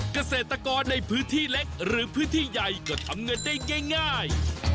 เกษตรกรในพื้นที่เล็กหรือพื้นที่ใหญ่ก็ทำเงินได้ง่าย